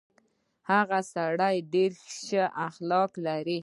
هغه سړی ډېر شه اخلاق لري.